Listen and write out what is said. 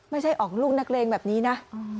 ไม่ใช่ออกลูกนักเลงแบบนี้นะ